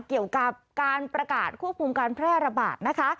เกี่ยวกับการประกาศควบคุมการแพร่ระบาดนะคะ